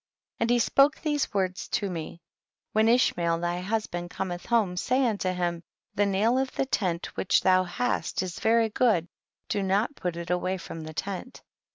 44. And he spoke these words to me ; when Ishmael thy husband cometh home, say unto him, the nail of the tent which thou hast is very good, do not put it away from the tent.